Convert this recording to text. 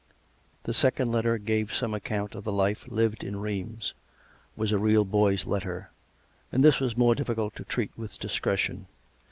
The second letter gave some account of the life lived in Rheims — ^was a real boy's letter — and this was more difficult to treat with discretion.